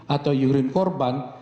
atau yurin korban